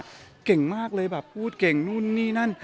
เก่งมากเลยแบบพูดเก่งนู่นนี่นั่น